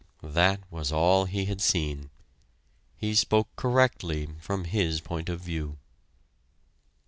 That was all he had seen. He spoke correctly from his point of view.